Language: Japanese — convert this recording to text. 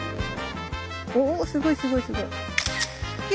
おすごいすごいすごい！